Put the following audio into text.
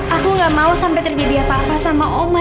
aku gak mau sampe terjadi apa apa sama omah